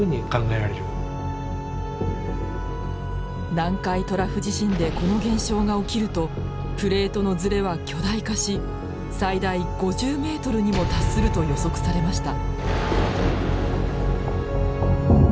南海トラフ地震でこの現象が起きるとプレートのずれは巨大化し最大５０ｍにも達すると予測されました。